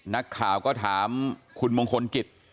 นักข่าวก็ถามคุณมงคลกิจ